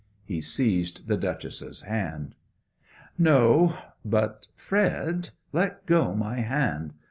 He seized the Duchess's hand. 'No, but Fred let go my hand!